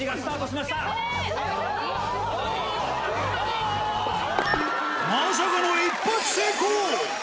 まさかの一発成功。